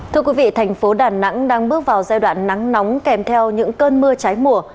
thưa quý vị thành phố đà nẵng đang bước vào giai đoạn nắng nóng kèm theo những cơn mưa cháy mùa